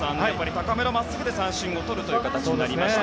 高めの真っすぐで三振をとる形になりました。